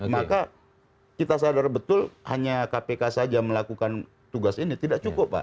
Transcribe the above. maka kita sadar betul hanya kpk saja melakukan tugas ini tidak cukup pak